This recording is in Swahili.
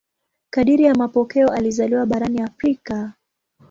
Kadiri ya mapokeo alizaliwa barani Afrika.